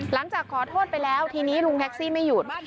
หลังจากขอโทษไปแล้วทีนี้ลุงแท็กซี่ไม่หยุด